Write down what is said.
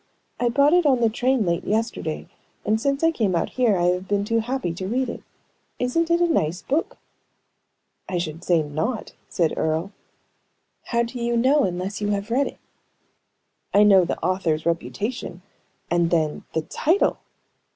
"I bought it on the train late yesterday, and since I came out here I have been too happy to read it. Isn't it a nice book?" "I should say not," said Earle. "How do you know, unless you have read it?" "I know the author's reputation; and then, the title!"